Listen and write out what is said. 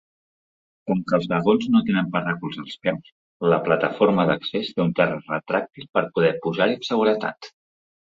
Com que els vagons no tenen per recolzar els peus, la plataforma d'accés té un terra retràctil per poder pujar-hi amb seguretat.